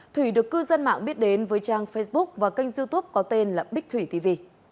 thủy được cư dân mạng biết đến với trang facebook và kênh youtube có tên là bích thủy tv